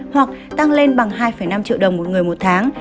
hoặc tăng lên bằng hai năm triệu đồng một người một tháng